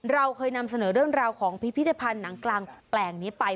เราเคยนำเสนอเรื่องราวของพิพิธภัณฑ์หนังกลางแปลงนี้ไป